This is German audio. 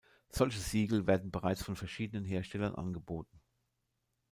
Solche Siegel werden bereits von verschiedenen Herstellern angeboten.